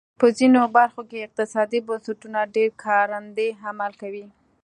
په ځینو برخو کې اقتصادي بنسټونه ډېر کارنده عمل کوي.